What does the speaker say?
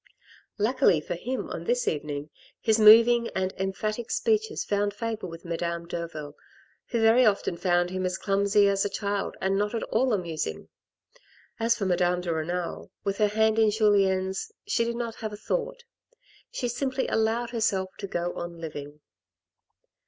Luckily for him on this evening, his moving and emphatic speeches found favour with Madame Derville, who very often found him as clumsy as a child and not at all amusing. As for Madame de Renal, with her hand in Julien's, she did not have a thought; she simply allowed herself to go on living.